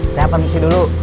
saya permisi dulu